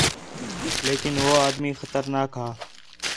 لیکن ہو آدمی خطرناک ہا